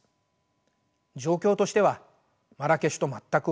状況としてはマラケシュと全く同じです。